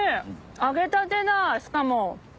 揚げたてだしかも。